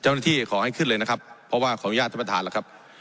ขอให้ขึ้นเลยนะครับเพราะว่าขออนุญาตท่านประธานแล้วครับ